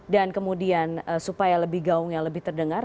dan kemudian supaya lebih gaungnya lebih terdengar